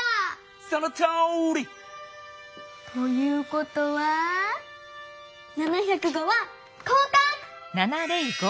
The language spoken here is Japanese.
そのとおり！ということは７０５はこうかく！